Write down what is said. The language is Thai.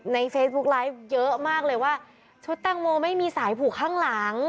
เฟซบุ๊กไลฟ์เยอะมากเลยว่าชุดแตงโมไม่มีสายผูกข้างหลัง